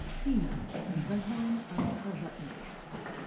HINA, THE HELEN OF HAWAII.